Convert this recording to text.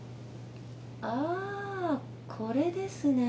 ああこれですね。